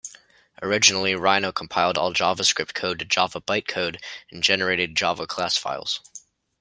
Originally, Rhino compiled all JavaScript code to Java bytecode in generated Java class files.